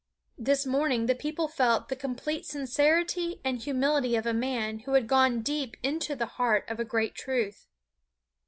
This morning the people felt the complete sincerity and humility of a man who had gone deep into the heart of a great truth.